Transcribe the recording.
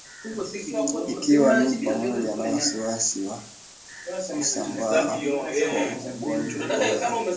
ikiwa ni pamoja na wasiwasi wa kusambaa kwa ugonjwa cholera